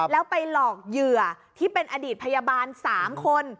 แล้วไปหลอกเหยื่อที่เป็นอดีตพยาบาล๓คน